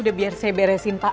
udah biar saya beresin pak